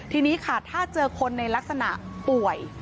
ทีนี้ค่ะถ้าเจอคนในลักษณะป่วย